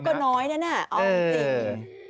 ใช่นะคะเอาจริง